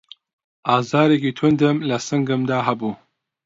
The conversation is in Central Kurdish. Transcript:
ئازارێکی توندم له سنگمدا هەبوو